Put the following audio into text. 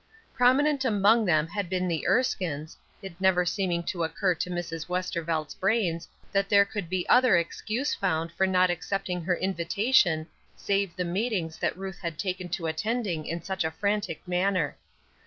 Prominent among them had been the Erskines, it never seeming to occur to Mrs. Westervelt's brains that there could be other excuse found for not accepting her invitation save the meetings that Ruth had taken to attending in such a frantic manner.